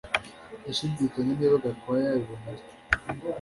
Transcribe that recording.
Ndashidikanya niba Gakwaya yabibona atyo